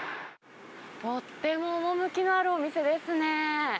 とっても趣のあるお店ですね。